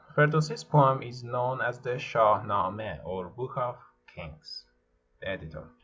Firdusi's poem is known as the " Shah Namah, or book of Kings." The Editor.